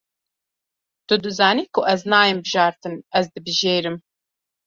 Tu dizanî ku ez nayêm bijartin, ez dibijêrim.